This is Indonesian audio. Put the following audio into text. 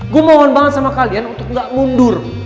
gue mohon banget sama kalian untuk gak mundur